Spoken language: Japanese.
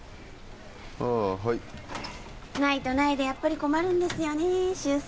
ああはいないとないでやっぱり困るんですよねー修正